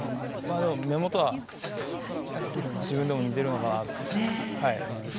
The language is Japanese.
でも、目元はなんか自分でも似てるのかなって思います。